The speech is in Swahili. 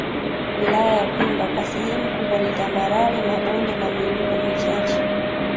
Wilaya ya Kwimba kwa sehemu kubwa ni tambarare mabonde na miinuko michache